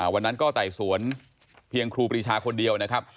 วันนั้นก็ไต่สวนเพียงครูปรีชาคนเดียวนะครับ